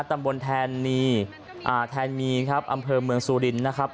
แทนมีแทนมีครับอำเภอเมืองซูรินนะครับ